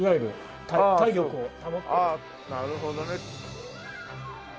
なるほどね。